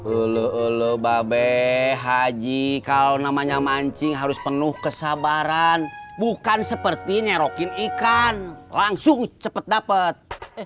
oloh oloh babe haji kalo namanya mancing harus penuh kesabaran bukan seperti nyerokin ikan langsung cepet dapet